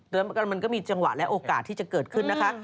แล้วมันก็มีจังหวะและโอกาสที่จะเกิดขึ้นนะคะ